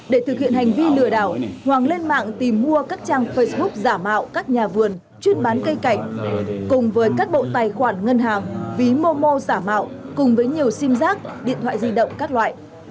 để thực hiện hành vi lừa đảo hoàng lên mạng tìm mua các trang facebook giả mạo các nhà vườn chuyên bán cây cảnh cùng với các bộ tài khoản ngân hàng ví momo giả mạo cùng với nhiều sim giác điện thoại di động các loại